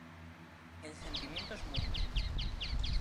El sentimiento es mutuo.